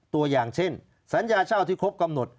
ตัวอย่างเช่นสัญญาเช่าที่ครบกำหนด